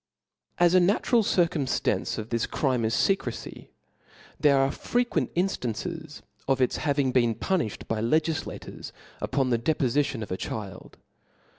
ch^'/i. As a natural circunnftance of this crime is fecrecy, there are frequent inftances of its having been pu nifhed by legiflators upon the depofitionof achild.